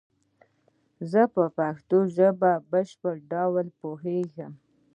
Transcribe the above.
زه په پشتو ژبه په بشپړ ډول پوهیږم